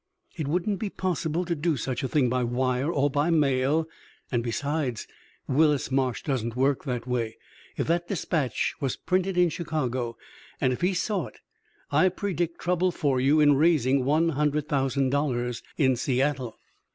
"It wouldn't be possible to do such a thing by wire or by mail, and, besides, Willis Marsh doesn't work that way. If that despatch was printed in Chicago, and if he saw it, I predict trouble for you in raising one hundred thousand dollars in Seattle."